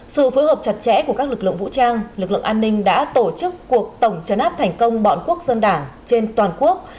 sự phối hợp chặt chẽ của các lực lượng vũ trang lực lượng an ninh đã tổ chức cuộc tổng chấn áp thành công bọn quốc dân đảng trên toàn quốc